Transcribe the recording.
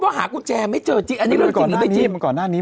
ก็หากุญแจไม่เจอจริงอันนี้เรื่องจริงหรือไม่จริงก่อนหน้านี้